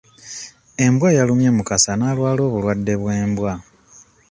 Embwa yalumye Mukasa n'alwala obulwadde bw'embwa.